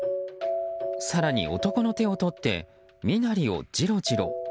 更に男の手を取って身なりをじろじろ。